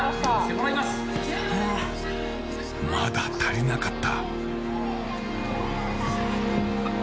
まだ足りなかった。